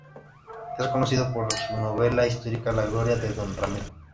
Es conocido por su novela histórica "La gloria de don Ramiro".